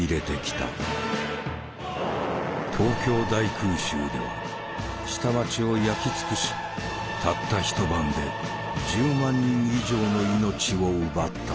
東京大空襲では下町を焼き尽くしたった一晩で１０万人以上の命を奪った。